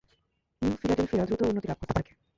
New Philadelphia দ্রুত উন্নতি লাভ করতে থাকে।